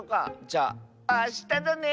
じゃあしただね！